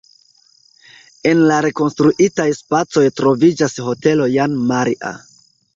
En la rekonstruitaj spacoj troviĝas hotelo Jan Maria.